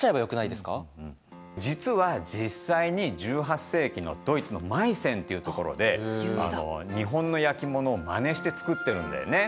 実は実際に１８世紀のドイツのマイセンっていう所で日本の焼き物をまねして作ってるんだよね。